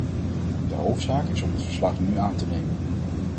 De hoofdzaak is om het verslag nu aan te nemen.